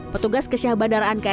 petugas kesih bandaraan kfu